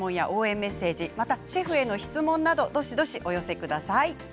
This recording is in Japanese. メッセージシェフへの質問などどしどしお寄せください。